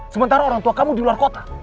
sementara orang tua kamu di luar kota